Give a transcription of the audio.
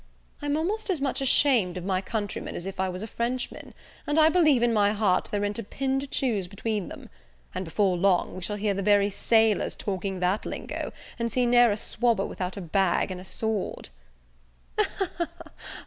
I'm almost as much ashamed of my countrymen as if I was a Frenchman, and I believe in my heart there i'n't a pin to choose between them; and, before long, we shall hear the very sailors talking that lingo, and see never a swabber without a bag and a sword."